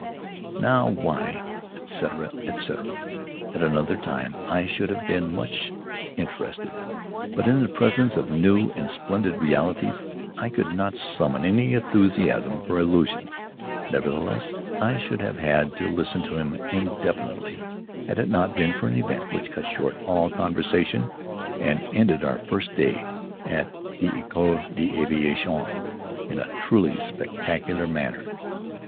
Now, why etc., etc. At another time I should have been much interested; but in the presence of new and splendid realities I could not summon any enthusiasm for illusions. Nevertheless, I should have had to listen to him indefinitely, had it not been for an event which cut short all conversation and ended our first day at the École d'Aviation in a truly spectacular manner.